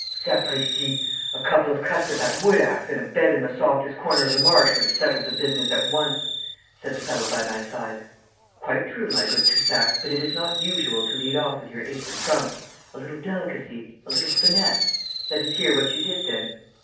'Sapristi! a couple of cuts of that wood axe, and a bed in the softest corner of the marsh, would have settled the business at once,' said the fellow by my side. 'Quite true, my good Toussac; but it is not usual to lead off with your ace of trumps. A little delicacy a little finesse ' 'Let us hear what you did then?'